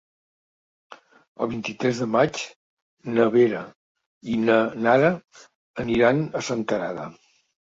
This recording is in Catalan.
El vint-i-tres de maig na Vera i na Nara aniran a Senterada.